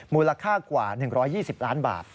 มูลค่ากว่า๑๒๐ล้านบาท